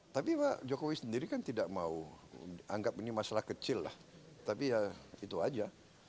tapi pak jokowi sendiri kan tidak mau anggap ini masalah kecil lah tapi ya itu aja